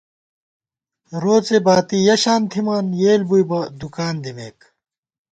روڅے باتی یَہ شان تھِمان، یېل بُوئی بہ دُکان دِمېک